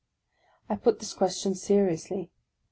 I put this question seriously.